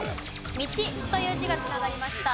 「道」という字が繋がりました。